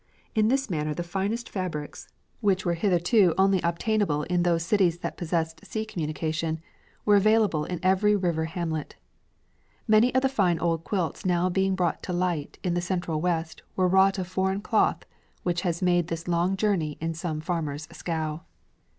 In this manner the finest fabrics, which were hitherto obtainable only in those cities that possessed sea communication, were available in every river hamlet. Many of the fine old quilts now being brought to light in the Central West were wrought of foreign cloth which has made this long journey in some farmer's scow.